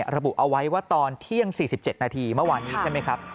ระบุเอาไว้ว่าตอนเที่ยง๔๗นาทีเมื่อวานนี้ใช่ไหมครับ